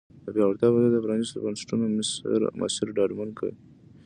د پیاوړتیا بهیر د پرانیستو بنسټونو مسیر ډاډمن کړ.